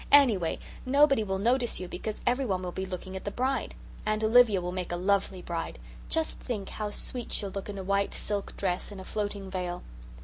"Anyway, nobody will notice you because everyone will be looking at the bride. Aunt Olivia will make a lovely bride. Just think how sweet she'll look in a white silk dress and a floating veil."